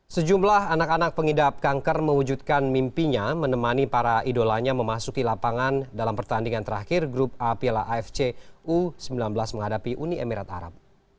sejumlah anak anak pengidap kanker mewujudkan mimpinya menemani para idolanya memasuki lapangan dalam pertandingan terakhir grup a piala afc u sembilan belas menghadapi uni emirat arab